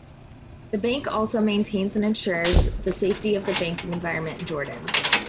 The bank also maintains and insures the safety of the banking environment in Jordan.